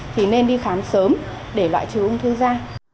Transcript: thì nên đi khám sớm để loại trừ ung thư da